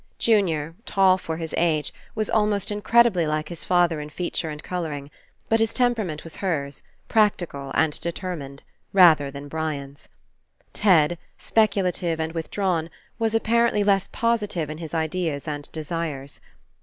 Junior, tall for his age, was almost in III PASSING credibly like his father in feature and colour ing; but his temperament was hers, practical and determined, rather than Brian's. Ted, speculative and withdrawn, was, apparently, less positive in his ideas and desires.